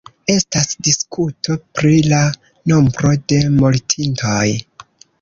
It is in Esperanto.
Estas diskuto pri la nombro de mortintoj.